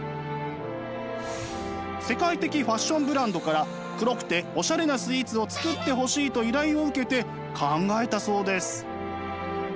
世界的ファッションブランドから黒くてオシャレなスイーツを作ってほしいと依頼を受けて考えたそうです。